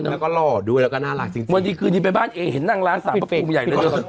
แล้วก็หล่อด้วยแล้วก็น่ารักจริงวันนี้คืนนี้ไปบ้านเอเห็นนั่งร้านสามพระภูมิใหญ่เลย